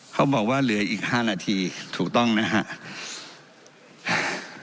เขาบอกว่าเหลืออีก๕นาทีถูกต้องนะครับ